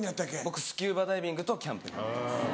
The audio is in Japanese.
僕スキューバダイビングとキャンプにハマってます。